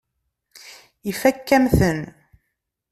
Ifakk-am-ten.